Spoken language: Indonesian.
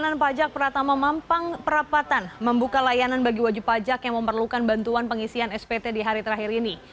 pelayanan pajak pratama mampang perapatan membuka layanan bagi wajib pajak yang memerlukan bantuan pengisian spt di hari terakhir ini